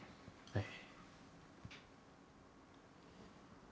はい。